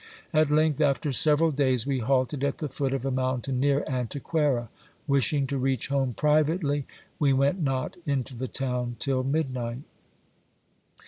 At length, after several days, we halted at the foot of a mountain near Antequera. Wishing to reach home privately, we went not into the town till midnight.